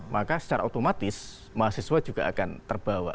maka secara otomatis mahasiswa juga akan terbawa